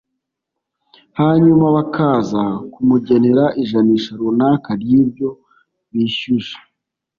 hanyuma bakaza kumugenera ijanisha runaka ry'ibyo bishyuje